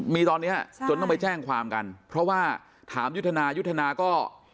มีตอนเนี้ยจนต้องไปแจ้งความกันเพราะว่าถามยุทธนายุทธนาก็